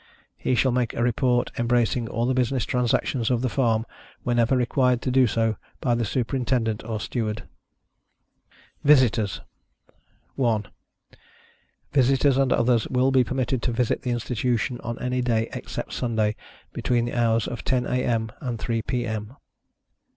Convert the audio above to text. He shall make a report, embracing all the business transactions of the farm, whenever required to do so by the Superintendent or Steward. VISITORS. 1. Visitors and others will be permitted to visit the Institution on any day, except Sunday, between the hours of 10 A.Â M. and 3 P.Â M.